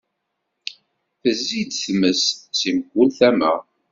Tezzi-d tmes, si mkul tama.